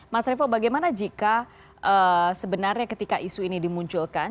mas revo bagaimana jika sebenarnya ketika isu ini dimunculkan